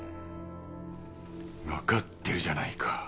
分かってるじゃないか。